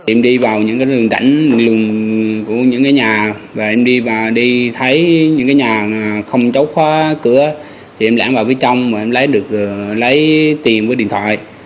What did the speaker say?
em đi vào những đường đánh của những nhà và em đi thấy những nhà không chấu khóa cửa thì em lãng vào bên trong và em lấy được tiền với điện thoại